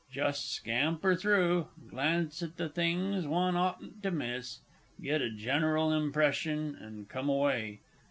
Just scamper through, glance at the things one oughtn't to miss, get a general impression, and come away.